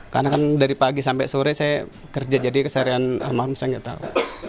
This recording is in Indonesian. karena kan dari pagi sampai sore saya kerja jadi keseharian almarhum saya gak tahu